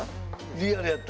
リアルやった。